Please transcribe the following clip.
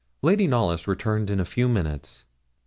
Lady Knollys returned in a few minutes.